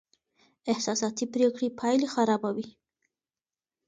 احساساتي پرېکړې پایلې خرابوي.